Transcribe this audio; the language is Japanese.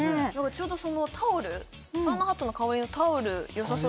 ちょうどそのタオルサウナハットの代わりのタオルよさそうでしたね